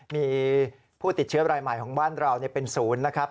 มีผู้ติดเชื้อรายใหม่ของบ้านเราเป็นศูนย์นะครับ